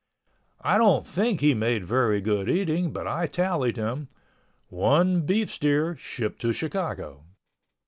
I don't think he made very good eating but I tallied him: "One beef steer shipped to Chicago."